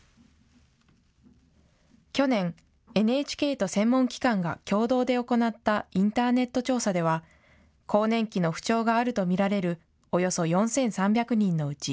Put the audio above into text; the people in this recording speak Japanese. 去年、ＮＨＫと専門機関が共同で行ったインターネット調査では、更年期の不調があると見られるおよそ４３００人のうち９％、